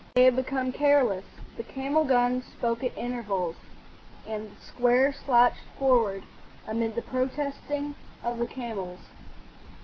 They had become careless. The camel guns spoke at intervals, and the square slouched forward amid the protesting of the camels.